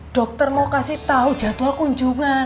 dokter mau kasih tahu jadwal kunjungan